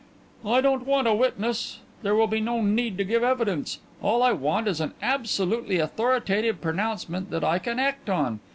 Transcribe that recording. "I don't want a witness; there will be no need to give evidence. All I want is an absolutely authoritative pronouncement that I can act on.